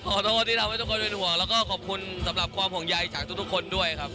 ขอโทษที่ทำให้ทุกคนเป็นห่วงแล้วก็ขอบคุณสำหรับความห่วงใยจากทุกคนด้วยครับ